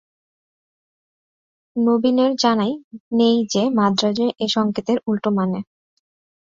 নবীনের জানাই নেই যে মাদ্রাজে এ সংকেতের উলটো মানে।